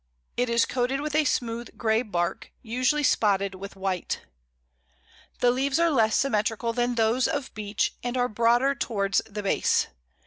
It is coated with a smooth grey bark, usually spotted with white. The leaves are less symmetrical than those of Beech, and are broader towards the base.